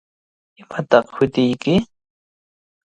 ¿Imataq hutiyki?